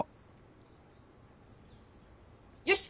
よし！